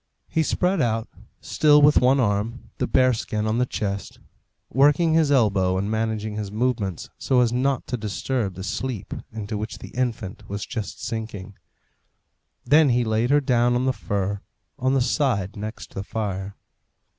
He spread out, still with one arm, the bear skin on the chest, working his elbow and managing his movements so as not to disturb the sleep into which the infant was just sinking. Then he laid her down on the fur, on the side next the fire.